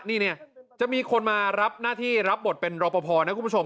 นี่จะมีคนมารับนาทีรับบทเป็นรภนะคุณผู้ชม